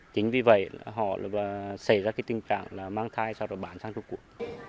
chính vì vậy họ xảy ra tình trạng mang thai sau đó bán sang trung quốc